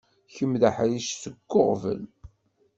Kemm d aḥric seg uɣbel.